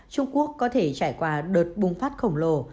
trung quốc có thể trải qua đợt bùng phát khổng lồ